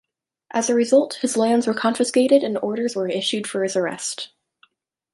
As a result, his lands were confiscated and orders were issued for his arrest.